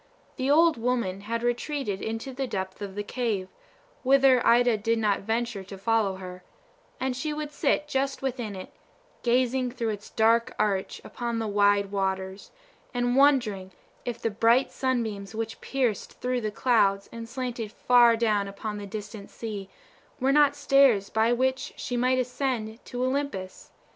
The old woman had retreated into the depth of the cave, whither Ida did not venture to follow her; and she would sit just within it, gazing through its dark arch upon the wide waters, and wondering if the bright sunbeams which pierced through the clouds, and slanted far down upon the distant sea, were not stairs by which she might ascend to Olympus.